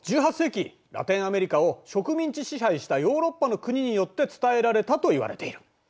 １８世紀ラテンアメリカを植民地支配したヨーロッパの国によって伝えられたといわれている。